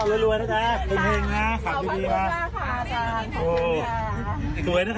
หนูเอาคุณแกร่งรถกับน้ำไว้นะ